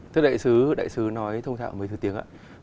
thưa đại sứ đại sứ nói thông thạo mấy thứ tiếng ạ